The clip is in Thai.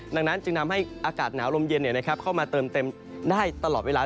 ดังนั้นจึงทำให้อากาศหนาวลมเย็นเข้ามาเติมเต็มได้ตลอดเวลา